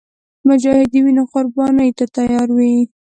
مجاهد د وینو قرباني ته تیار وي.